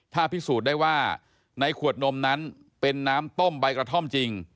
ถ้าพิสูจน์ได้ว่าในขวดนมนั้นเป็นน้ำต้มใบกระท่อมจริง